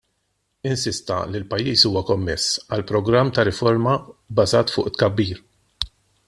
Insista li l-pajjiż huwa kommess għal program ta' riforma bbażat fuq tkabbir.